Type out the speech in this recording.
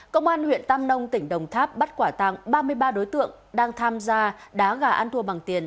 công an huyện tam nông tỉnh đồng tháp bắt quả tàng ba mươi ba đối tượng đang tham gia đá gà ăn thua bằng tiền